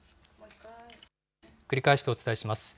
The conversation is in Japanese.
繰り返してお伝えします。